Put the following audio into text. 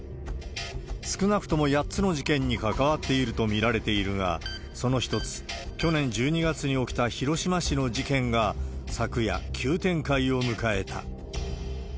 少なくとも８つの事件に関わっていると見られているが、その一つ、去年１２月に起きた広島市の事件が、昨夜、急展開を迎えた。